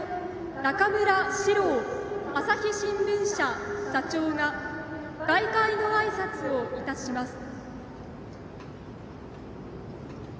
中村史郎朝日新聞社社長が開会のあいさつをいたします。